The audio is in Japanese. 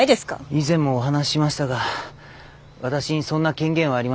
以前もお話ししましたが私にそんな権限はありません。